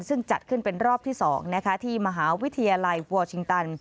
ซึ่งจัดขึ้นเป็นรอบที่๒ที่มหาวิทยาลัยวอร์ชิงตัน